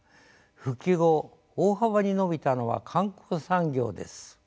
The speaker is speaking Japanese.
復帰後大幅に伸びたのは観光産業です。